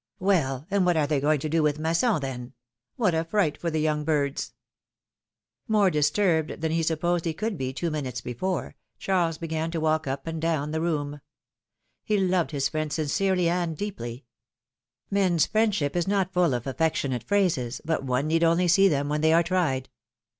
Well, and what are they going to do with Masson, then ? What a fright for the young birds !" More disturbed than he supposed he coiild be two minutes before, Charles began to walk up and down the room ; he loved his friend sincerely and deeply ; men's friendship is not full of affectionate phrases, but one need only see them when they are tried